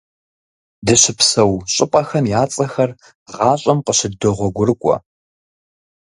Дыщыпсэу щӀыпӀэхэм я цӀэхэр гъащӀэм къыщыддогъуэгурыкӀуэ.